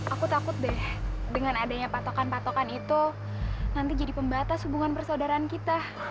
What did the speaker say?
aku takut deh dengan adanya patokan patokan itu nanti jadi pembatas hubungan persaudaraan kita